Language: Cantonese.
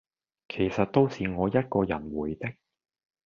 其實都是我一個人回的